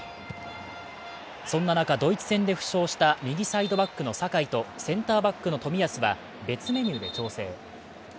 そんな中、ドイツ戦で負傷した右サイドバックの酒井とセンターバックの冨安は別メニューで調整。